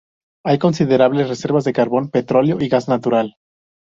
Hay considerables reservas de carbón, petróleo y gas natural.